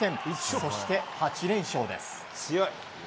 そして８連勝です。